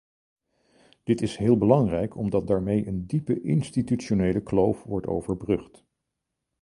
Dit is heel belangrijk omdat daarmee een diepe institutionele kloof wordt overbrugd.